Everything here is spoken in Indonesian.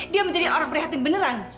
dia menjadi orang prihatin beneran